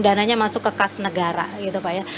dananya masuk ke kas negara gitu pak ya